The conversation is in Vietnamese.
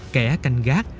kẻ canh gác